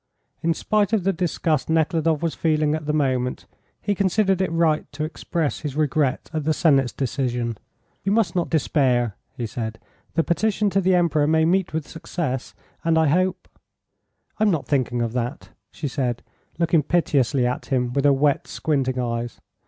In spite of the disgust Nekhludoff was feeling at the moment, he considered it right to express his regret at the Senate's decision. "You must not despair," he said. "The petition to the Emperor may meet with success, and I hope " "I'm not thinking of that," she said, looking piteously at him with her wet, squinting eyes.